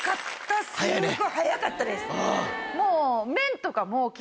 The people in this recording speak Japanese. もう。